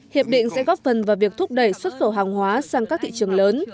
hiệp định sẽ góp phần vào việc thúc đẩy xuất khẩu hàng hóa sang các thị trường lớn